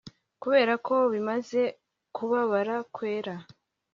Kuberako bimaze kubabara kwera